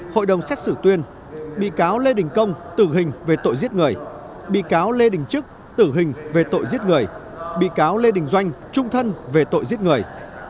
hội đồng xét xử tuyên bị cáo lê đình công tử hình về tội giết người bị cáo lê đình trức tử hình về tội giết người bị cáo lê đình doanh trung thân về tội giết người